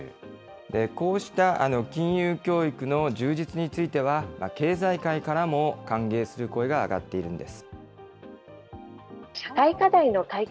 こうした金融教育の充実については、経済界からも歓迎する声が上がっているんです。